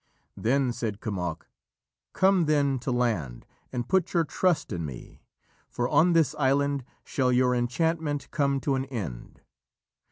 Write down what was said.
Then said Kemoc, "Come then to land, and put your trust in me, for on this island shall your enchantment come to an end."